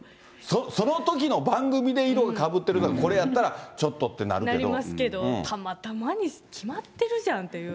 そのときの番組で色がかぶってるんやったら、なりますけど、たまたまに決まってるじゃんっていう。